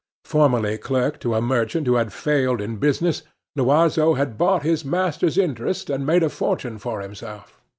Formerly clerk to a merchant who had failed in business, Loiseau had bought his master's interest, and made a fortune for himself.